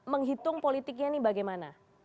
menghitung politiknya ini bagaimana